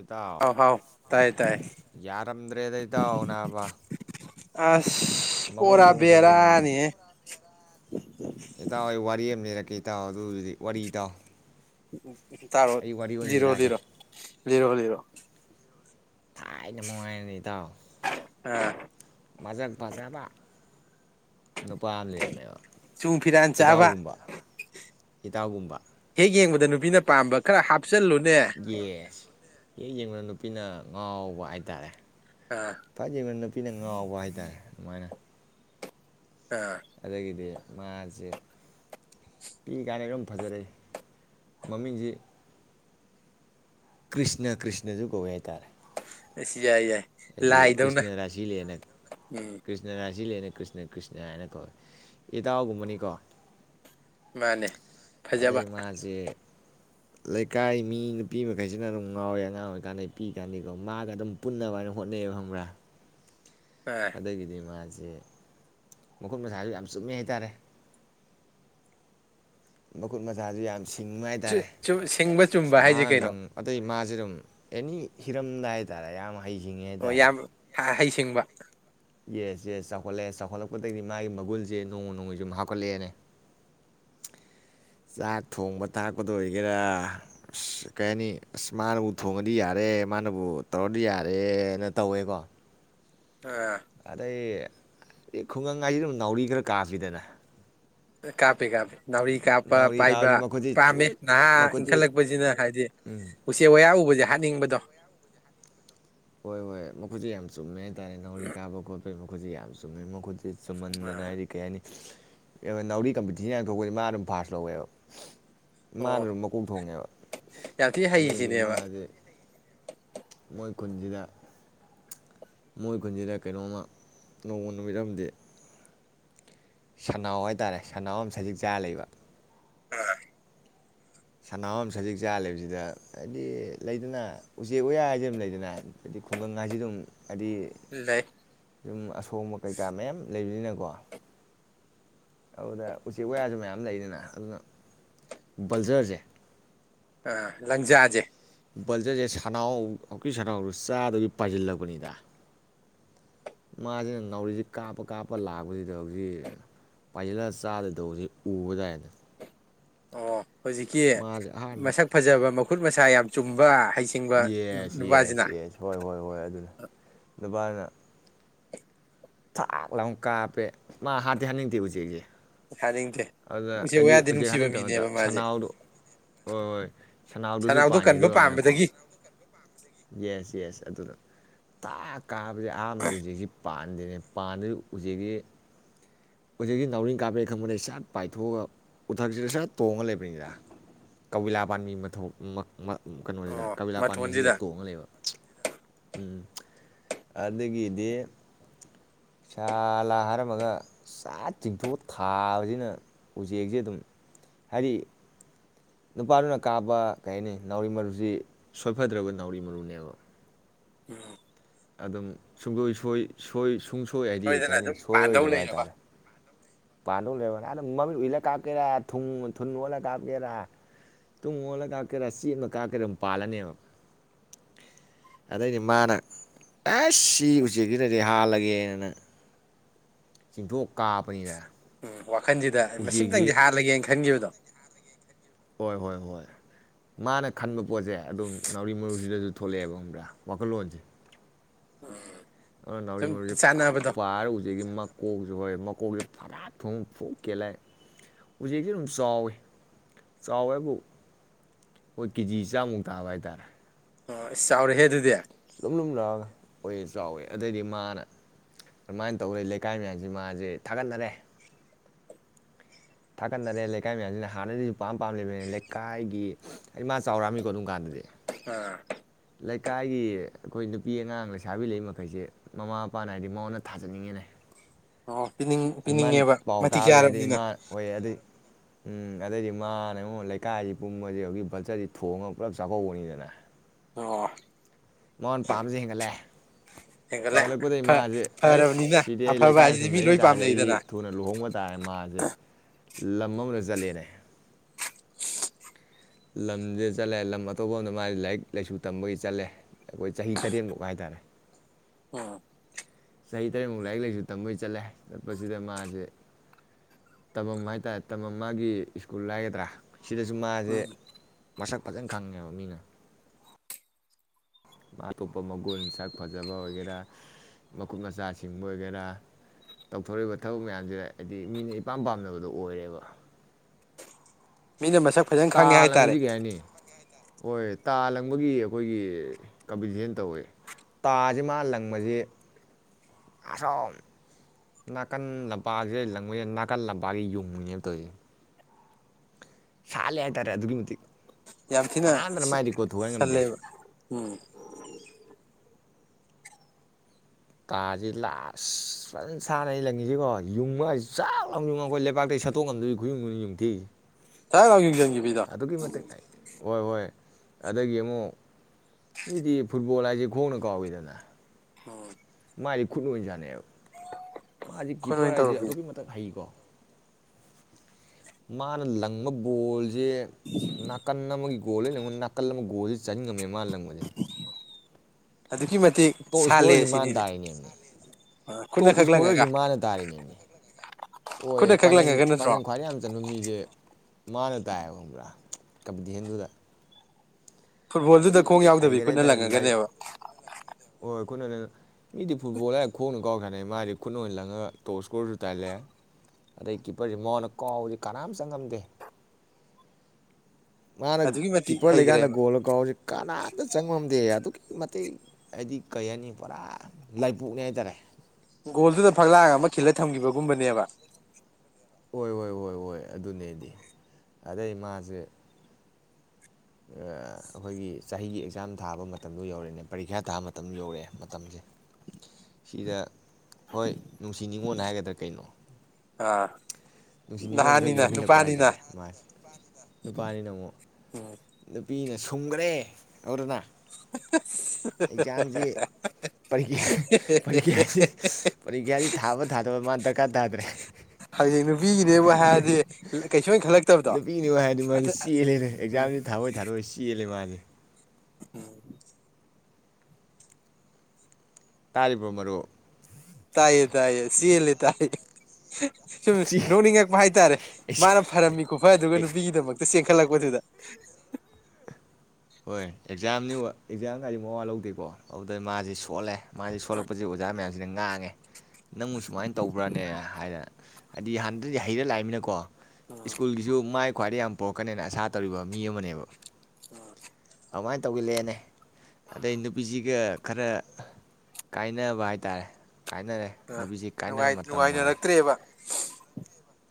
ꯏꯇꯥꯎ ꯍꯥꯎ ꯍꯥꯎ ꯇꯥꯏ ꯇꯥꯏ ꯌꯥꯔꯝꯗ꯭ꯔꯦꯗ ꯏꯇꯥꯎ ꯅꯥꯕ ꯑꯁ ꯁꯍꯍ ꯄꯣꯔꯥ ꯃꯀꯣꯛꯇ ꯕꯦꯔꯥꯅꯤꯍꯦ ꯏꯇꯥ ꯑꯩ ꯋꯥꯔꯤ ꯑꯃ ꯂꯤꯔꯛꯀꯦ ꯇꯥꯎ ꯑꯗꯨꯕꯨꯗꯤ ꯋꯥꯔꯤ ꯇꯥꯎ ꯎꯝ ꯎꯝ [unintelligible] ꯇꯕꯔꯣ ꯂꯤꯔꯣ ꯂꯤꯔꯣ ꯂꯤꯔꯣ ꯂꯤꯔꯣ ꯊꯥꯏꯅ ꯃꯅꯨꯡꯉꯥꯏꯗ ꯏꯇꯥꯎ ꯃꯖꯥꯛ ꯐꯖꯕ ꯅꯨꯄꯥ ꯑꯃ ꯂꯩꯔꯝꯃꯦꯕ ꯆꯨꯡ ꯐꯤꯔꯥꯟ ꯆꯥꯕ ꯏꯇꯥꯎꯒꯨꯝꯕ ꯏꯇꯥꯎꯒꯨꯝꯕ ꯍꯦꯛ ꯌꯦꯡꯕꯗ ꯅꯨꯄꯤꯅ ꯄꯥꯝꯕ ꯈꯔ ꯍꯥꯞ ꯎꯠꯁꯜꯂꯨꯅꯦ ꯌꯦꯁ ꯍꯦꯛ ꯌꯦꯡꯕꯗ ꯅꯨꯄꯤꯅ ꯉꯥꯎꯕ ꯍꯥꯏꯇꯥꯔꯦ ꯑꯥ ꯊꯥꯖ ꯌꯦꯡꯕ ꯅꯨꯄꯤꯅ ꯉꯥꯎꯕ ꯍꯥꯏꯇꯥꯔꯦ ꯑꯗꯨꯃꯥꯏꯅ ꯑꯥ ꯑꯗꯒꯤꯗꯤ ꯃꯥꯁꯦ ꯄꯤꯀꯥꯏꯀꯥꯜꯗ ꯑꯗꯨꯝ ꯐꯖꯔꯛꯦ ꯃꯃꯤꯡꯁꯤ ꯀ꯭ꯔꯤꯁꯅ ꯀ꯭ꯔꯤꯁꯅꯁꯨ ꯀꯋ ꯌꯥꯇꯥꯔꯦ ꯁꯤ ꯌꯥꯏ ꯌꯥꯏ ꯍꯥꯏꯗꯤ ꯂꯥꯏꯗꯧꯅ ꯀ꯭ꯔꯤꯁꯅ ꯔꯥꯁꯤ ꯂꯩꯅ ꯎꯝ ꯀ꯭ꯔꯤꯁꯅ ꯔꯥꯁꯤ ꯁꯤꯜꯂꯦꯅ ꯀ꯭ꯔꯤꯁꯅ ꯀ꯭ꯔꯤꯁꯅ ꯍꯥꯏꯅ ꯀꯧꯋꯦ ꯏꯗꯥꯎꯒꯨꯝꯕꯅꯤꯀꯣ ꯃꯥꯅꯦ ꯐꯖꯕ ꯑꯗꯩ ꯃꯥꯁꯦ ꯂꯩꯀꯥꯏ ꯃꯤ ꯅꯨꯄꯤ ꯃꯈꯩꯁꯤꯅ ꯑꯗꯨꯝ ꯉꯥꯎꯋꯦ ꯑꯉꯥꯡ ꯑꯣꯏꯔꯤ ꯀꯥꯟꯗ ꯄꯤ ꯀꯥꯟꯗꯩꯀꯣ ꯃꯥꯒ ꯑꯗꯨꯝ ꯄꯨꯟꯅꯕ ꯍꯥꯏꯅ ꯍꯣꯠꯅꯩꯕ ꯈꯪꯕ꯭ꯔꯥ ꯑꯥ ꯑꯗꯒꯤꯗꯤ ꯃꯥꯁꯤ ꯃꯈꯨꯠ ꯃꯁꯥꯁꯨ ꯌꯥꯝ ꯆꯨꯝꯃꯦ ꯍꯥꯏꯇꯥꯔꯦ ꯃꯈꯨꯠ ꯃꯁꯥꯁꯨ ꯌꯥꯝ ꯁꯤꯡꯕ ꯍꯥꯏꯇꯥꯔꯦ ꯁꯤꯡꯕ ꯆꯨꯝꯕ ꯍꯥꯏꯁꯦ ꯃꯥꯅ ꯀꯩꯅꯣ ꯂꯪ ꯑꯗꯩ ꯃꯥ ꯑꯁꯤꯔꯨꯝ ꯑꯦꯅꯤ ꯍꯤꯔꯝꯗ ꯍꯥꯏꯇꯥꯔꯦ ꯌꯥꯝꯌꯥꯝꯕ ꯑꯣ ꯌꯥꯝ ꯍꯥꯏ ꯆꯤꯡꯕ ꯌꯦꯁ ꯌꯦꯁ ꯆꯥꯎꯈꯠꯂꯛꯑꯦ ꯆꯥꯎꯈꯠꯂꯛꯄꯗꯒꯤꯗꯤ ꯃꯥꯒꯤ ꯃꯒꯨꯟꯁꯦ ꯅꯣꯡꯃ ꯅꯣꯡꯃꯒꯤ ꯁꯨꯝ ꯍꯥꯞꯀꯠꯂꯛꯑꯦꯅꯦ ꯆꯥꯛ ꯊꯣꯡꯕ ꯊꯥꯛꯄꯗ ꯑꯣꯏꯒꯦꯔꯥ ꯑꯁ ꯀꯩ ꯍꯥꯏꯅꯤ ꯑꯁ ꯃꯥꯅꯕꯨ ꯊꯣꯡꯉꯗꯤ ꯌꯥꯔꯦ ꯃꯥꯅꯕꯨ ꯇꯧꯔꯗꯤ ꯌꯥꯔꯦꯅ ꯇꯧꯋꯦꯀꯣ ꯑꯥ ꯑꯗꯩ ꯑꯦ ꯈꯨꯡꯒꯪ ꯍꯥꯏꯁꯤ ꯑꯗꯨꯝ ꯅꯥꯎꯔꯤ ꯈꯔ ꯀꯥꯕꯤꯗꯅ ꯀꯥꯄꯤ ꯀꯥꯄꯤ ꯅꯥꯎꯔꯤ ꯀꯥꯞꯄ ꯄꯥꯏꯕ ꯀꯥꯕꯁꯤ ꯃꯈꯨꯠꯁꯤ ꯄꯥꯝꯃꯦ ꯁꯨꯠ ꯅꯍꯥ ꯃꯈꯨꯠꯁꯤ ꯏꯪꯈꯠꯂꯛꯄꯁꯤꯅ ꯍꯥꯏꯗꯤ ꯎꯝ ꯎꯆꯦꯛ ꯋꯥꯌꯥ ꯎꯕꯁꯦ ꯍꯥꯅꯤꯡꯕꯗꯣ ꯍꯣꯏ ꯍꯣꯏ ꯃꯈꯣꯏꯁꯨ ꯌꯥꯝ ꯆꯨꯝꯃꯦ ꯍꯥꯏꯇꯥꯔꯦ ꯅꯥꯎꯔꯤ ꯀꯥꯕ ꯈꯣꯠꯄꯒꯤ ꯃꯈꯣꯏꯁꯨ ꯌꯥꯝ ꯆꯨꯝꯃꯦ ꯃꯈꯣꯏ ꯁꯤ ꯆꯨꯝꯃꯟꯗꯅ ꯍꯥꯏꯗꯤ ꯀꯩ ꯍꯥꯏꯅꯤ ꯅꯥꯎꯔꯤ ꯀꯝꯄꯤꯇꯤꯁꯟ ꯌꯥꯝ ꯊꯣꯛꯄꯁꯤ ꯃꯥ ꯑꯗꯨꯝ ꯐꯔꯥꯁ ꯂꯧꯌꯦꯕ ꯃꯥꯅ ꯑꯣ ꯑꯗꯨꯝ ꯃꯀꯣꯛ ꯊꯣꯡꯉꯦꯕ ꯌꯥꯝ ꯊꯤ ꯑꯗꯩꯗꯤ ꯍꯩꯁꯤꯅꯦꯕ ꯃꯥꯖꯦ ꯈꯣꯏ ꯈꯨꯟꯖꯤꯗ ꯃꯣꯏ ꯈꯨꯟꯁꯤꯗ ꯀꯩꯅꯣꯝꯃ ꯅꯣꯡꯃꯥ ꯅꯨꯃꯤꯠ ꯑꯃꯗꯤ ꯁꯟꯅꯥꯎ ꯍꯥꯏꯇꯥꯔꯦ ꯁꯅꯥꯎ ꯑꯃꯥ ꯁꯖꯤꯛ ꯆꯥ ꯂꯩꯕ ꯑꯥ ꯁꯅꯥꯎꯝ ꯁꯖꯤꯛ ꯆꯥ ꯂꯩꯕꯁꯤꯗ ꯍꯥꯏꯗꯤ ꯂꯩꯗꯅ ꯎꯆꯦꯛ ꯋꯥꯌꯥ ꯍꯥꯏꯁꯦ ꯑꯃ ꯂꯩꯗꯅ ꯍꯥꯏꯗꯤ ꯈꯨꯡꯒꯪ ꯍꯥꯏꯖꯤ ꯑꯗꯨꯝ ꯍꯥꯏꯗꯤ ꯂꯩ ꯌꯨꯝ ꯑꯁꯣꯡꯕ ꯀꯩꯀꯥ ꯃꯌꯥꯝ ꯂꯩꯕꯅꯤꯅꯀꯣ ꯑꯗꯨꯗ ꯎꯆꯦꯛ ꯌꯥꯁꯨ ꯃꯌꯥꯝ ꯂꯩꯗꯅ ꯑꯗꯨꯅ ꯕꯜꯖꯔꯁꯦ ꯑ ꯂꯪꯖꯥꯖꯦ ꯕꯜꯆꯔꯁꯦ ꯁꯅꯥꯎ ꯍꯧꯖꯤꯛꯀꯤ ꯁꯅꯥꯎꯖꯦ ꯆꯥꯗꯣꯏꯒꯤ ꯄꯥꯏꯁꯤꯜꯂꯛꯄꯅꯤꯗ ꯃꯥꯖꯤꯅ ꯅꯥꯎꯔꯤꯁꯤ ꯀꯥꯞꯄ ꯀꯥꯞꯄ ꯂꯥꯛꯄꯁꯤꯗ ꯍꯧꯖꯤꯛ ꯄꯥꯏꯁꯤꯜꯂ ꯆꯥꯒꯦ ꯇꯧꯕꯥꯁꯤ ꯎꯕꯗꯥꯏꯗ ꯑꯣ ꯍꯧꯖꯤꯛꯀꯤ ꯑꯍꯥꯟꯕ ꯃꯁꯛ ꯐꯖꯕ ꯃꯈꯨꯠ ꯃꯁꯥ ꯌꯥꯝ ꯆꯨꯝꯕ꯭ꯔ ꯌꯦꯁ ꯌꯦꯁ ꯌꯦ ꯍꯣꯏ ꯍꯣꯏ ꯍꯣꯏ ꯑꯗꯨꯅ ꯗꯨꯕꯥꯥꯏꯅ ꯊꯥꯛ ꯂꯥꯎ ꯀꯥꯞꯄꯦ ꯃꯥ ꯍꯥꯠꯇꯤ ꯍꯥꯠꯅꯤꯡꯗꯦ ꯎꯆꯦꯛꯁꯦ ꯌꯥꯅꯤꯡꯗꯦ ꯑꯗ ꯍꯥꯏꯗꯤ ꯋꯥꯌꯥꯗꯤ ꯎꯆꯦꯛ ꯅꯨꯡꯁꯤꯕ ꯍꯥꯠꯅꯤꯡꯗꯕ ꯃꯤꯅꯦꯕ ꯅꯠꯇꯕ ꯃꯥꯁꯦ ꯁꯅꯥꯎꯗꯣ ꯍꯣꯏ ꯍꯣꯏ ꯁꯅꯥꯎꯗꯨꯁꯨ ꯁꯅꯥꯎꯗꯣ ꯄꯥꯟꯒꯤ ꯀꯟꯕ ꯗꯣꯏꯔꯅꯀꯣ ꯄꯥꯝꯕꯗꯒꯤ ꯌꯦꯁ ꯌꯦꯁ ꯑꯗꯨꯅ ꯊꯥꯛ ꯀꯥꯕꯁꯦ ꯑꯍꯥꯟꯕꯗ ꯎꯆꯦꯛꯁꯤ ꯄꯥꯟꯗꯦꯅꯦ ꯄꯥꯟꯗ ꯎꯆꯦꯛꯁꯤ ꯎꯆꯦꯛꯁꯤ ꯅꯥꯎꯔꯤ ꯀꯥꯞꯄꯦ ꯈꯪꯕꯗꯩ ꯁꯠ ꯄꯥꯏꯊꯣꯛꯑꯒ ꯎꯊꯛꯁꯤꯗ ꯁꯠ ꯇꯣꯡꯉ ꯂꯩꯕꯅꯤꯗ ꯀꯧꯕꯤꯂꯥ ꯄꯥꯝꯕꯤ ꯃꯊꯧ ꯃꯥ ꯃꯥ ꯀꯩꯅꯣꯁꯤꯗ ꯀꯕꯤꯂꯥ ꯄꯥꯟꯕꯤꯁꯤꯗ ꯃꯇꯣꯟꯖꯤꯗ ꯇꯣꯡꯉ ꯂꯩꯕ ꯎꯝ ꯑꯗꯒꯤꯗꯤ ꯁꯥꯥꯂꯥ ꯍꯥꯏꯔꯝꯃꯒ ꯆꯥꯠ ꯆꯤꯡꯊꯣꯛ ꯊꯥꯕꯁꯤꯅ ꯎꯆꯦꯛꯁꯤ ꯑꯗꯨꯝ ꯍꯥꯏꯗꯤ ꯅꯨꯄꯥꯗꯨꯅ ꯀꯥꯞꯄ ꯀꯩ ꯍꯥꯏꯅꯤ ꯅꯥꯎꯔꯤ ꯃꯔꯨꯁꯤ ꯁꯣꯏꯐꯗ꯭ꯔꯕ ꯅꯥꯎꯔꯤ ꯃꯔꯨꯅꯦꯕ ꯑꯗꯨꯝ ꯁꯨꯡꯁꯣꯏ ꯁꯣꯏ ꯁꯣꯏ ꯁꯨꯡ ꯁꯣꯏ ꯍꯥꯏꯗꯤ ꯀꯩ ꯁꯣꯏꯗꯅ ꯍꯥꯏꯅꯤ ꯑꯗꯨꯝ ꯄꯥꯟꯗꯧ ꯁꯣꯏꯔꯣꯏꯗꯕ ꯂꯩꯔꯕ ꯍꯥꯏꯇꯥꯔꯦ ꯄꯥꯟꯗꯧ ꯂꯩꯔꯕ ꯑꯗꯨꯝ ꯃꯃꯤꯠ ꯎꯏꯔꯥ ꯀꯥꯞꯀꯦꯔꯥ ꯊꯨꯪ ꯊꯨꯟ ꯑꯣꯜꯂ ꯀꯥꯞꯀꯦꯔꯥ ꯇꯨꯪ ꯑꯣꯜꯂ ꯀꯥꯞꯀꯦꯔꯥ ꯆꯦꯞꯅ ꯀꯥꯞꯀꯦꯔꯥ ꯑꯗꯨꯝ ꯄꯥꯜꯂꯅꯦꯕ ꯑꯗꯩꯗꯤ ꯃꯥꯅ ꯑꯦꯁ ꯁꯤ ꯎꯆꯦꯛꯁꯤꯗꯗꯤ ꯍꯥꯠꯂꯒꯦꯅ ꯆꯤꯡꯊꯣꯛ ꯀꯥꯞꯄꯅꯤꯗꯅ ꯋꯥꯈꯟꯁꯤꯗ ꯃꯁꯤꯃꯇꯪꯗꯤ ꯍꯥꯠꯂꯥꯒꯦꯅ ꯈꯟꯈꯤꯕꯗꯣ ꯍꯣꯏ ꯍꯣꯏ ꯍꯣꯏ ꯃꯥꯅ ꯈꯟꯕ ꯄꯣꯠꯁꯦ ꯑꯗꯨꯝ ꯅꯥꯎꯔꯤ ꯃꯔꯨꯁꯤꯗꯁꯨ ꯊꯣꯛꯂꯛꯑꯦꯕ ꯈꯪꯕ꯭ꯔꯥ ꯋꯥꯈꯜꯂꯣꯟꯁꯦ ꯑꯗꯨ ꯅꯥꯎꯔꯤ ꯁꯨꯝ ꯃꯔꯨꯁꯦ ꯐꯠ ꯆꯥꯟꯅꯕꯗꯣ ꯄꯥꯏꯔꯥ ꯎꯆꯦꯛꯖꯤꯒꯤ ꯃꯥ ꯃꯀꯣꯛꯁꯨ ꯍꯣꯏ ꯃꯀꯣꯛꯁꯦ ꯐꯔꯥꯛ ꯊꯣꯡ ꯐꯣꯛ ꯀꯦꯜꯂꯦ ꯎꯆꯦꯛꯁꯤ ꯑꯗꯨꯝ ꯆꯥꯎꯢ ꯆꯥꯎꯌꯦꯕꯨ ꯑꯩꯈꯣꯏ ꯀꯦꯖꯤ ꯆꯥꯃꯨꯛ ꯇꯥꯕ ꯍꯥꯏ ꯇꯥꯔꯦ ꯑꯣ ꯑꯁ ꯆꯥꯎꯔꯍꯦ ꯑꯗꯨꯗꯤ ꯂꯨꯝ ꯂꯨꯝ ꯂꯥꯎꯔꯒꯥ ꯍꯣꯏ ꯆꯥꯎꯋꯦ ꯑꯗꯩꯗꯤ ꯃꯥꯅ ꯑꯗꯨꯃꯥꯏꯅ ꯇꯧꯔꯦ ꯂꯩꯀꯥꯏ ꯃꯌꯥꯝꯁꯦ ꯃꯥꯁꯦ ꯊꯥꯒꯠꯅꯔꯦ ꯊꯥꯒꯠꯅꯔꯦ ꯂꯩꯀꯥꯏ ꯃꯌꯥꯝꯁꯤꯅ ꯍꯥꯟꯅꯗꯤꯁꯨ ꯄꯥꯝ ꯄꯥꯝꯂꯤꯕꯅꯦ ꯂꯩꯀꯥꯏꯒꯤ ꯑꯩꯃꯥ ꯆꯥꯎꯔꯛꯃꯤꯀꯣ ꯑꯗꯨꯝ ꯀꯥꯟꯗꯗꯤ ꯑꯥ ꯂꯩꯀꯥꯏꯒꯤ ꯑꯩꯈꯣꯏ ꯅꯨꯄꯤ ꯑꯉꯥꯡ ꯂꯩꯁꯥꯕꯤ ꯂꯩ ꯃꯈꯩꯁꯦ ꯃꯃꯥ ꯃꯄꯥꯅ ꯍꯥꯏꯗꯤ ꯃꯉꯣꯟꯗ ꯊꯥꯖꯅꯤꯡꯉꯦꯅꯦ ꯑꯣ ꯄꯤꯅꯤꯡ ꯑꯗꯨꯃꯥꯏꯅ ꯄꯤꯅꯤꯡꯉꯦꯕ ꯄꯥꯎ ꯃꯇꯤꯛ ꯇꯥꯕꯗꯗꯤ ꯆꯥꯔꯕꯅꯤꯅ ꯃꯥ ꯑꯣꯏ ꯑꯗꯩꯩ ꯎꯝ ꯑꯗꯩꯗꯤ ꯃꯥꯅ ꯉꯣ ꯂꯩꯀꯥꯏꯁꯤ ꯄꯨꯝꯕꯁꯤ ꯍꯧꯖꯤꯛ ꯚꯜꯆꯔꯁꯤ ꯊꯣꯡꯉꯒ ꯄꯨꯂꯞ ꯆꯥꯛꯀꯧꯕꯅꯤꯗꯅ ꯑꯣ ꯃꯉꯣꯟ ꯄꯥꯝꯁꯦ ꯍꯦꯟꯒꯠꯂꯦ ꯍꯦꯟꯒꯠꯂꯦ ꯍꯦꯟꯒꯠꯂꯛꯄꯗꯩꯩ ꯐ ꯃꯥꯁꯦ ꯑꯩꯁ ꯐꯔꯕꯅꯤꯅ ꯁꯤꯗꯤ ꯑꯩ ꯑꯐꯕ ꯂꯩꯀꯥꯏꯗ ꯍꯥꯏꯁꯤꯗꯤ ꯁꯨꯝ ꯃꯤ ꯂꯩ ꯂꯣꯏ ꯇꯥꯔꯥꯗꯤ ꯑꯩ ꯄꯥꯝꯅꯩꯗꯅ ꯊꯨꯅ ꯂꯨꯍꯣꯡꯕ ꯇꯥꯔꯦ ꯃꯥꯁꯦ ꯂꯝ ꯑꯃꯗ ꯆꯠꯂꯦꯅꯦ ꯂꯝꯖꯦ ꯆꯠꯂꯦ ꯂꯝ ꯑꯇꯣꯞꯄ ꯑꯃꯗ ꯃꯥꯁꯦ ꯂꯥꯏꯔꯤꯛ ꯂꯥꯏꯁꯨ ꯇꯝꯕꯒꯤ ꯆꯠꯂꯦ ꯑꯩꯈꯣꯏ ꯆꯍꯤ ꯇꯔꯦꯠꯃꯨꯛ ꯍꯥꯏꯇꯥꯔꯦ ꯆꯍꯤ ꯇꯔꯦꯠꯃꯨꯛ ꯂꯥꯏꯔꯤꯛ ꯂꯥꯏꯁꯨ ꯇꯝꯕꯩ ꯆꯠꯂꯦ ꯆꯠꯄꯁꯤꯗ ꯃꯥꯁꯦ ꯇꯕꯝ ꯍꯥꯏꯇꯥꯥꯔꯦ ꯇꯝꯕꯝ ꯃꯥꯒꯤ ꯁ꯭ꯀꯨꯜ ꯍꯥꯏꯒꯗ꯭ꯔꯥ ꯁꯤꯗꯁꯨ ꯃꯥꯁꯦ ꯃꯁꯛ ꯐꯖꯅ ꯈꯪꯉꯦꯕ ꯃꯤꯅ ꯑꯇꯣꯞꯄ ꯃꯒꯨꯟ ꯁꯛ ꯐꯖꯕ ꯑꯣꯏꯒꯦꯔꯥ ꯃꯈꯨꯠ ꯃꯁꯥꯁꯤꯡꯕ ꯑꯣꯏꯒꯦꯔꯥ ꯇꯧꯊꯣꯔꯛꯏꯕ ꯊꯕꯛ ꯃꯌꯥꯝꯁꯦ ꯍꯥꯏꯗꯤ ꯃꯤꯅ ꯏꯄꯥꯝ ꯄꯥꯝꯅꯕꯗꯣ ꯑꯣꯏꯔꯦꯕ ꯃꯤꯅ ꯃꯁꯛ ꯐꯖꯅ ꯈꯪꯉꯦ ꯇꯥ ꯍꯥꯏꯇꯥꯔꯦ ꯂꯪꯕꯁꯤ ꯀꯩ ꯍꯥꯏꯅꯤ ꯍꯣꯏ ꯇꯥ ꯂꯪꯕꯒꯤ ꯑꯩꯈꯣꯏꯒꯤ ꯀꯝꯄꯤꯇꯤꯁꯟ ꯇꯧꯋꯦ ꯇꯥꯁ‌ꯦ ꯃꯥ ꯂꯪꯕꯁꯦ ꯑꯁꯣꯝ ꯅꯥꯀꯟ ꯂꯝꯄꯥꯛꯁꯦ ꯂꯪꯕꯁꯦ ꯅꯥꯀꯟ ꯂꯝꯄꯥꯛꯁꯦ ꯌꯨꯡꯕꯤꯅꯦꯕ ꯇꯧꯖꯦ ꯁꯜꯂꯦ ꯍꯥꯏꯇꯥꯔꯦ ꯑꯗꯨꯛꯀꯤ ꯃꯇꯤꯛ ꯌꯥꯝ ꯊꯤꯅ ꯀꯅꯥꯝꯇꯅ ꯃꯥꯏ ꯔꯦꯀꯣꯔꯠ ꯊꯨꯒꯥꯏ ꯉꯝꯗꯦ ꯁꯜꯂꯦꯕ ꯎꯝ ꯇꯥꯖꯦ ꯂꯥꯁ ꯐꯖꯅ ꯁꯥꯟꯅꯅꯦ ꯂꯪꯉꯤꯁꯤꯉꯣ ꯌꯨꯡꯕ ꯀꯩꯖꯦ ꯆꯥꯛ ꯂꯎ ꯌꯨꯡꯉ ꯈꯣꯏ ꯂꯩꯄꯥꯛꯇꯩ ꯁꯠꯇꯣꯛ ꯉꯝꯗꯕꯩ ꯈꯨꯌꯨꯡꯗꯅꯦ ꯌꯨꯡꯊꯦꯛꯏꯁꯦ ꯊꯛ ꯂꯥꯎꯅꯥ ꯌꯨꯡꯖꯟ ꯑꯗꯨꯛꯀꯤ ꯃꯇꯤꯛ ꯍꯣꯏ ꯍꯣꯏ ꯑꯗꯒꯤ ꯑꯃꯨꯛ ꯃꯤꯗꯤ ꯐꯨꯠꯕꯣꯜ ꯍꯥꯏꯁꯦ ꯈꯣꯡꯅ ꯀꯥꯎꯏꯗꯅ ꯑꯣ ꯃꯥꯏꯗꯤ ꯈꯨꯠꯅ ꯑꯣꯏꯅ ꯁꯥꯅꯩꯌꯦꯕ ꯃꯥꯗꯤ ꯈꯨꯠꯅ ꯀꯤꯞꯄꯔ ꯑꯣꯏꯅ ꯍꯥꯏꯁꯦ ꯇꯧꯔꯛꯄꯤ ꯑꯗꯨꯛꯀꯤ ꯃꯇꯤꯛ ꯍꯩꯀꯣ ꯃꯥꯅ ꯂꯪꯕ ꯕꯣꯜꯖꯦ [unintelligible] ꯅꯥꯀꯟ ꯑꯃꯒꯤ ꯒꯣꯜ ꯍꯦꯛ ꯂꯥꯡꯕ ꯅꯥꯀꯜ ꯑꯃ ꯒꯣꯜꯁꯤ ꯆꯥꯟꯉꯝꯃꯦ ꯃꯥ ꯂꯥꯡꯕꯁꯦ ꯑꯗꯒꯤ ꯃ ꯇꯣꯞ ꯏꯁꯀꯣꯔꯔꯁꯤ ꯃꯥꯅ ꯇꯥꯔꯤꯅꯦꯃꯦ ꯈꯨꯠꯅ ꯇꯣꯞ ꯈꯛ ꯏꯁꯀꯣꯔꯔꯁꯤ ꯂꯪꯉꯒ ꯃꯥꯅ ꯇꯥꯔꯤꯅꯦꯃꯦ ꯑꯣꯏ ꯈꯨꯠꯅ ꯈꯛ ꯄꯥꯟꯖꯟ ꯂꯪꯉꯒ ꯅꯠꯇ꯭ꯔꯣ ꯄꯥꯟꯖꯟ ꯈ꯭ꯋꯥꯗꯩꯩ ꯍꯟꯅ ꯆꯟꯕ ꯃꯤꯁꯦ ꯃꯥꯅ ꯇꯥꯏꯌꯦꯕ ꯈꯪꯕ꯭ꯔꯥ ꯀꯝꯄꯤꯇꯤꯁꯟꯗꯨꯗ ꯐꯨꯠꯕꯣꯜꯗꯨꯗ ꯑꯗꯨꯛꯀꯤ ꯈꯣꯡ ꯃꯇꯤꯛ ꯌꯥꯎꯗꯕꯤ ꯍꯩꯈꯔꯦ ꯈꯨꯠꯅ ꯍꯥꯏꯇꯥꯔꯦ ꯂꯪꯉꯒꯅꯦꯕ ꯈꯨꯠꯅꯅꯦ ꯃꯤꯗꯤ ꯐꯨꯠꯕꯣꯜ ꯍꯥꯏꯔ ꯈꯣꯡꯅ ꯀꯥꯎꯒꯦ ꯃꯥꯗꯤ ꯈꯨꯟ ꯑꯣꯏꯅ ꯂꯪꯉꯒ ꯇꯣꯁ ꯏꯁꯀꯣꯔꯁꯨ ꯇꯥꯜꯂꯑꯦ ꯑꯗꯩ ꯀꯤꯞꯄꯔꯁꯤ ꯃꯥꯅ ꯀꯥꯎꯕꯁꯤ ꯀꯅꯥꯝ ꯆꯪꯉꯝꯗꯦ ꯃꯥꯅ ꯑꯗꯨꯛꯀꯤ ꯃꯇꯤꯛ ꯀꯤꯞꯄꯔ ꯂꯩꯀꯥꯟꯗ ꯍꯩꯈ꯭ꯔꯦꯕ ꯒꯣꯜꯒ ꯀꯥꯎꯕꯖꯤ ꯀꯅꯥ ꯆꯪꯉꯝꯗꯦ ꯑꯗꯨꯛꯀꯤ ꯃꯇꯤꯛ ꯍꯥꯏꯗꯤ ꯀꯩ ꯍꯥꯏꯅꯤ ꯄꯨꯔꯥ ꯂꯥꯏꯄꯣꯛꯅꯤ ꯍꯥꯏꯇꯥꯔꯦ ꯒꯣꯜꯗꯨꯗ ꯐꯛꯂꯥꯡ ꯑꯃ ꯈꯤꯜꯂ ꯊꯝꯈꯤꯕꯒꯨꯝꯕꯅꯦꯕ ꯍꯣꯏ ꯍꯣꯏ ꯍꯣꯏ ꯍꯣꯏ ꯑꯗꯨꯅꯦꯗꯤ ꯑꯗꯩ ꯃꯥꯁꯦ ꯑꯈꯣꯏꯒꯤ ꯆꯍꯤꯒꯤ ꯑꯦꯛꯖꯥꯝ ꯊꯥꯕ ꯃꯇꯝꯗꯣ ꯌꯧꯔꯦꯅꯦ ꯄꯔꯤꯈ꯭ꯌꯥ ꯊꯥꯕ ꯃꯇꯝ ꯌꯧꯔꯛꯑꯦ ꯃꯇꯝꯁꯦ ꯁꯤꯗ ꯍꯣꯏ ꯅꯨꯡꯁꯤ ꯅꯤꯉꯣꯟ ꯍꯥꯏꯒꯗ꯭ꯔꯥ ꯀꯩꯅꯣ ꯑꯥ ꯅꯨꯡꯁꯤ ꯅꯤꯉꯣꯟ ꯈꯔ ꯅꯍꯥꯟꯅꯤꯅ ꯌꯥꯎꯁꯤꯜꯂꯛꯄ ꯅꯨꯄꯥꯅꯤꯅ ꯍꯥꯏꯇꯥꯔꯦ ꯃꯥꯁꯦ ꯅꯨꯄꯥꯅꯤꯅ ꯑꯃꯨꯛ ꯄꯤꯅ ꯁꯨꯝꯈ꯭ꯔꯦ ꯑꯗꯨꯗꯨꯅ ꯑꯦꯛꯖꯥꯝꯁꯤ ꯄꯔꯤꯈ꯭ꯌꯥꯁꯤ ꯊꯥꯕ ꯊꯥꯗꯕ ꯃꯥ ꯗꯔꯀꯥꯔ ꯇꯥꯗ꯭ꯔꯦ ꯍꯧꯖꯤꯛ ꯅꯨꯄꯤꯒꯤꯅꯦꯕꯨ ꯍꯥꯏꯔꯗꯤ ꯀꯩꯁꯨ ꯍꯦꯟ ꯈꯜꯂꯛꯇꯕꯗꯣ ꯅꯨꯄꯤ ꯅꯨ ꯍꯥꯏꯔꯗꯤ ꯃꯥ ꯆꯦꯜꯂꯦꯅꯦ ꯑꯦꯛꯖꯥꯝꯁ‌ꯦ ꯊꯥꯕꯣꯏ ꯊꯥꯗꯕꯣꯏ ꯆꯦꯜꯂꯦ ꯃꯥꯗꯤ ꯎꯝ ꯇꯥꯔꯤꯕ ꯃꯔꯨꯞ ꯇꯥꯏꯌꯦ ꯇꯥꯏꯌꯦ ꯆꯦꯜꯂꯦ ꯇꯥꯏꯌꯦ ꯁꯨꯝ ꯆꯦ ꯅꯣꯛꯅꯤꯡꯉꯛꯄ ꯍꯥꯏꯇꯥꯔꯦ ꯃꯥꯅ ꯐꯔꯝꯃꯤ ꯈꯨꯐꯗꯨꯒ ꯅꯨꯄꯤꯒꯤꯗꯃꯛꯇ ꯆꯦꯟꯈꯠꯂꯛꯄꯗꯨꯗ ꯍꯣꯏ ꯑꯦꯛꯖꯥꯝꯅꯤ ꯑꯦꯛꯖꯥꯝ ꯀꯥꯏꯔꯤ ꯃꯋꯥ ꯂꯧꯗꯦꯀꯣ ꯑꯗꯨꯗ ꯃꯥꯁꯤ ꯁꯣꯜꯂꯦ ꯃꯥꯁꯦ ꯁꯣꯜꯂꯛꯄꯁꯤ ꯑꯣꯖꯥ ꯃꯌꯥꯝꯁꯤꯅ ꯉꯥꯡꯉꯦ ꯅꯪꯕꯨ ꯁꯨꯃꯥꯏꯅ ꯇꯧꯕ꯭ꯔꯥꯅꯦ ꯍꯥꯏꯅ ꯍꯥꯏꯗꯤ ꯍꯥꯟꯗꯗꯤ ꯍꯩꯔ ꯂꯥꯛꯏꯃꯤꯅꯀꯣ ꯁ꯭ꯀꯨꯜꯒꯤꯁꯨ ꯃꯥꯏ ꯈ꯭ꯋꯥꯏꯗꯩꯩ ꯌꯥꯝ ꯄꯣꯔꯛꯀꯅꯦꯅ ꯑꯁꯥ ꯇꯧꯔꯤꯕ ꯃꯤ ꯑꯃꯅꯦꯕ꯫ ꯑꯥ ꯇꯧꯒꯜꯂꯛꯑꯦꯅꯦ ꯑꯗꯩ ꯅꯨꯄꯤꯁꯤꯒ ꯈꯔ ꯀꯥꯏꯅꯕ ꯍꯥꯏꯇꯔꯦ ꯀꯥꯏꯅꯔꯦ ꯑ ꯅꯨꯄꯤꯁꯦ ꯅꯨꯡꯉꯥꯏ ꯀꯥꯏꯅꯕ ꯃꯇꯝ ꯑꯣꯏꯔꯦ ꯅꯨꯡꯉꯥꯏꯅꯔꯛꯇ꯭ꯔꯦꯕ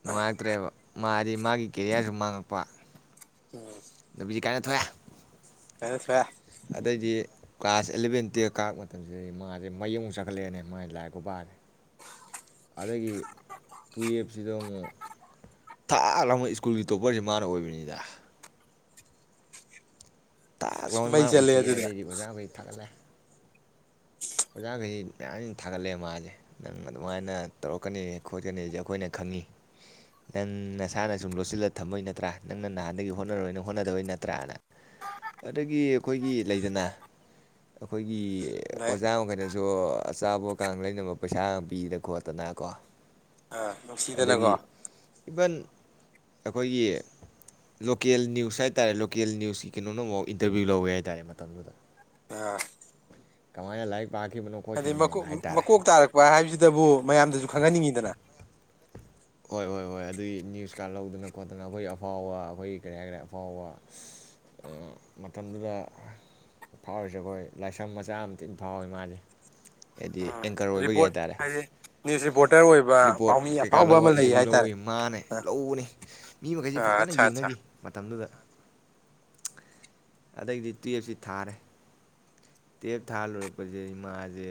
ꯅꯨꯡꯉꯥꯏꯔꯛꯇ꯭ꯔꯦꯕ ꯃꯥꯗꯤ ꯃꯥꯒꯤ ꯀꯦꯔꯤꯌꯥꯔꯁꯨ ꯃꯥꯡꯉꯛꯄ ꯅꯨ ꯀꯥꯏꯅ ꯊꯣꯛꯑꯦ꯫ ꯀꯥꯏꯅ ꯊꯣꯛꯑꯦ꯫ ꯑꯗꯩꯗꯤ ꯀ꯭ꯂꯥꯁ ꯑꯦꯂꯚꯦꯟ ꯇꯨꯌꯦꯞ ꯀꯥꯔꯛꯄ ꯃꯇꯝꯁꯤꯗꯗꯤ ꯃꯥꯁꯦ ꯃꯩ ꯑꯃꯨꯛ ꯆꯈꯠꯂꯛꯑꯦꯅꯦ ꯃꯥ ꯂꯥꯏꯔꯤꯛ ꯈꯨꯄꯁꯦ ꯑꯗꯒꯤ ꯇꯨꯌꯦꯞꯁꯤꯗ ꯑꯃꯨꯛ ꯊꯥꯛ ꯂꯞꯃꯩ ꯁ꯭ꯀꯨꯜꯒꯤ ꯇꯣꯞꯄꯔꯁꯤ ꯃꯥꯅ ꯑꯣꯏꯕꯅꯤꯗ꯫ ꯇꯥꯛ ꯂꯥꯎꯅꯅꯦ ꯃꯩ ꯃꯥ ꯆꯠꯂꯦ ꯑꯣꯏꯊꯦꯛꯑꯦ ꯑꯗꯨꯗꯤ ꯑꯗꯩꯗꯤ ꯑꯣꯖꯥꯈꯣꯏ ꯊꯥꯒꯠꯂꯦ꯫ ꯑꯣꯖꯥꯈꯩꯁꯤ ꯌꯔꯤꯈꯩ ꯊꯥꯒꯠꯂꯛꯑꯦ ꯃꯥꯁꯦ ꯅꯪ ꯑꯗꯨꯃꯥꯏꯅ ꯇꯧꯔꯛꯀꯅꯤ ꯈꯣꯠꯀꯅꯤꯁꯦ ꯑꯩꯈꯣꯏꯅ ꯈꯪꯉꯤ ꯅꯪ ꯅꯁꯥꯅ ꯁꯨꯝ ꯂꯣꯠꯁꯤꯜꯂꯒ ꯊꯝꯕꯩ ꯅꯠꯇ꯭ꯔꯥ ꯅꯪꯅ ꯅꯍꯥꯟꯗꯒꯤ ꯍꯣꯠꯅꯔꯣꯏꯅ ꯍꯣꯠꯅꯗꯕꯩ ꯅꯠꯇ꯭ꯔꯥꯅ ꯑꯗꯒꯤ ꯑꯩꯈꯣꯏꯒꯤ ꯂꯩꯗꯅ ꯑꯈꯣꯏ [unintelligible] ꯑꯗꯩ ꯑꯩꯈꯣꯏꯅꯁꯨ ꯑꯆꯥꯄꯣꯠ ꯀꯥꯡ ꯂꯩꯅꯕ ꯄꯩꯁꯥ ꯄꯤꯗꯅ ꯈꯣꯠꯇꯅꯀꯣ ꯑꯥ ꯅꯨꯡꯁꯤꯗꯅꯀꯣ ꯏꯚꯟ ꯑꯩꯈꯣꯏꯒꯤ ꯂꯣꯀꯦꯜ ꯅ꯭ꯌꯨꯁ ꯍꯥꯏꯇꯥꯔꯦ ꯂꯣꯀꯦꯜ ꯅ꯭ꯌꯨꯁꯀꯤ ꯀꯩꯅꯣꯅ ꯕꯥꯎ ꯏꯟꯇꯔꯚ꯭ꯌꯨ ꯂꯧꯋꯦ ꯍꯥꯏꯇꯥꯔꯦ ꯃꯇꯝꯗꯨꯗ ꯀꯃꯥꯢꯅ ꯂꯥꯏꯛ ꯍꯗꯤ ꯃꯀꯣꯛ ꯃꯀꯣꯛ ꯇꯥꯔꯛꯄ ꯍꯥꯏꯕꯁꯤꯗꯕꯨ ꯃꯌꯥꯝꯗꯁꯨ ꯈꯪꯍꯟꯅꯤꯡꯉꯤꯗꯅ ꯍꯣꯏ ꯍꯣꯏ ꯍꯣꯏ ꯑꯗꯨꯒꯤ ꯅ꯭ꯌꯨꯁ ꯀꯥꯔ ꯂꯧꯗꯅ ꯈꯣꯠꯇꯅ ꯑꯩꯈꯣꯏ ꯑꯐꯥꯎꯕ ꯑꯩꯈꯣꯏꯒꯤ ꯀꯔꯤ ꯍꯥꯏ ꯀꯔꯦ ꯑꯐꯥꯎꯕ ꯃꯇꯝꯗꯨꯗ ꯐꯥꯎꯔꯤꯁꯦ ꯑꯩꯈꯣꯏ ꯂꯥꯏꯁ꯭ꯔꯝ ꯃꯆꯥ ꯑꯃ ꯊꯤ ꯐꯥꯎꯋꯤ ꯃꯥꯁꯦ ꯍꯦꯗꯤ ꯔꯤꯄꯣꯔꯠ ꯍꯥꯏꯗꯤ ꯅ꯭ꯌꯨꯁ ꯔꯤꯄꯣꯔꯇꯔ ꯑꯣꯏꯕ ꯔꯤꯄꯣꯔꯠ ꯄꯥꯎꯃꯤ ꯀꯩꯀꯥ ꯑꯐꯥꯎꯕ ꯑꯃ ꯂꯧꯕ ꯂꯩ ꯏꯟꯇꯔꯚꯤꯌꯨ ꯍꯥꯏꯇꯥꯔꯦ ꯂꯧꯋꯤ ꯃꯥꯅꯦ ꯂꯧꯕꯅꯤ ꯃꯤ ꯃꯈꯩꯁꯤ ꯑꯥ ꯐꯖꯅ ꯑꯠꯆꯥ ꯑꯠꯆꯥ ꯌꯦꯡꯅꯈꯤ ꯃꯇꯝꯗꯨꯗ ꯑꯗꯒꯤꯗꯤ ꯇꯨꯌꯦꯜꯞꯁꯤ ꯊꯥꯔꯦ ꯇꯨꯌꯦꯞ ꯊꯥ ꯂꯣꯏꯨꯔꯛꯄꯁꯦ ꯃꯥꯖꯦ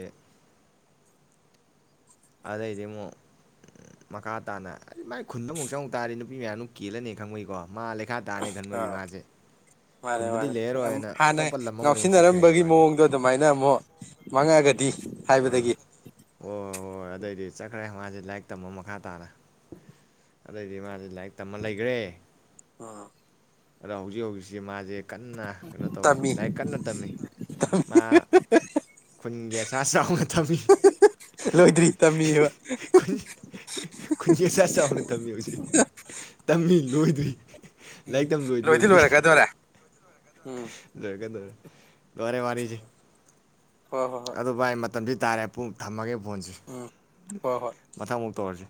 ꯑꯗꯩꯗꯤ ꯑꯃꯨꯛ ꯃꯈꯥ ꯇꯥꯅ ꯃꯥꯏ ꯈꯨꯟꯗ ꯑꯃꯨꯛ ꯆꯪꯉꯨ ꯇꯥꯔꯗꯤ ꯅꯨꯄꯤ ꯃꯌꯥꯝꯗꯨ ꯀꯦꯜꯂꯅꯤ ꯈꯪꯕꯩꯀꯣ ꯑꯥ ꯃꯥꯅꯤ ꯈꯨꯟꯗꯗꯤ ꯃꯥꯅꯦ ꯂꯩꯔꯔꯣꯏꯅ ꯍꯥꯟꯅ ꯑꯇꯣꯞꯄ ꯂꯝ ꯑꯃꯗ ꯑꯃꯨꯛ ꯆꯠꯈ꯭ꯔꯦꯅꯦ ꯉꯥꯎꯁꯤꯟꯅꯔꯝꯕꯒꯤ ꯃꯥꯁꯦ ꯃꯑꯣꯡꯗꯣ ꯑꯗꯨꯃꯥꯏꯅ ꯑꯃꯨꯛ ꯃꯥꯡꯉꯛꯑꯒꯗꯤ ꯍꯥꯏꯕꯗꯒꯤ [unintelligible] ꯑꯗꯩꯗꯤ ꯆꯠꯈ꯭ꯔꯦ ꯃꯥꯁꯦ ꯂꯥꯏꯔꯤꯛ ꯇꯝꯕ ꯃꯈꯥ ꯇꯥꯅ ꯑꯗꯩꯗꯤ ꯃꯥꯁꯦ ꯂꯥꯏꯔꯤꯛ ꯇꯝꯃ ꯂꯩꯒ꯭ꯔ‌ꯦ ꯑ ꯑꯗ ꯍꯧꯖꯤꯛ ꯍꯧꯖꯤꯛꯁꯤ ꯃꯥꯁꯦ ꯀꯟꯅ ꯀꯩꯅꯣ ꯇꯧꯔꯤ ꯇꯝꯃꯤ ꯂꯥꯏꯔꯤꯛ ꯀꯟꯅ ꯇꯝꯃꯤ ꯃꯥ ꯈꯨꯟꯒꯤ [unintelligible] ꯊꯝꯃꯤ ꯂꯣꯏꯗ꯭ꯔꯤ ꯇꯝꯃꯤꯕ ꯈꯨꯟ ꯈꯨꯟꯒꯤ ꯑꯁꯥ ꯆꯥꯎꯅ ꯊꯝꯃꯤ ꯍꯨꯖꯤꯛ ꯇꯝꯃꯤ ꯂꯣꯏꯗ꯭ꯔꯤ ꯎꯝ ꯂꯥꯏꯔꯤꯛ ꯇꯝ ꯂꯣꯏꯗ꯭꯭ꯔꯤ ꯂꯣꯏꯗꯤ ꯍꯧꯖꯤꯛ ꯂꯣꯏꯔꯛꯀꯗꯣꯔꯦ ꯎꯝ ꯂꯧꯔꯛꯀꯗꯣꯔꯦ ꯂꯣꯏꯔꯦ ꯋꯥꯔꯤꯁꯤ ꯍꯣꯏ ꯍꯣꯏ ꯍꯣꯏ ꯑꯗꯨ ꯚꯥꯏ ꯃꯇꯝꯗꯤ ꯇꯥꯔꯦ ꯄꯨꯡ ꯊꯝꯃꯒꯦ ꯐꯣꯟꯁꯦ ꯎꯝ ꯍꯣꯏ ꯍꯣꯏ ꯃꯊꯪꯃꯨꯛ ꯇꯧꯔꯁꯤ